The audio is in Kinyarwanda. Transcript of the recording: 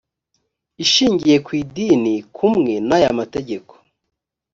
ishingiye ku idini kumwe n aya mategeko